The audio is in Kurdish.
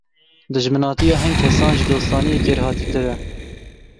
Dijminatiya hin kesan, ji dostaniyê kêrhatîtir e.